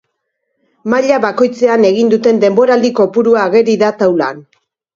Maila bakoitzean egin duten denboraldi kopurua ageri da taulan.